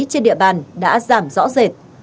trên địa bàn đã giảm rõ rệt